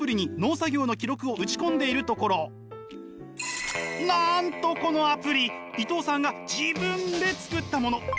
実はこれなんとこのアプリ伊藤さんが自分で作ったもの。